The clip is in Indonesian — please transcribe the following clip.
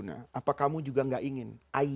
nah apa kamu juga gak ingin